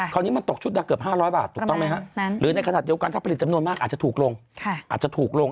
คราวนี้มันตกชุดได้เกือบ๕๐๐บาทหรือในขณะเดียวกันถ้าผลิตจำนวนมากอาจจะถูกลง